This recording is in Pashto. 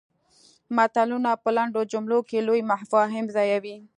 متلونه په لنډو جملو کې لوی مفاهیم ځایوي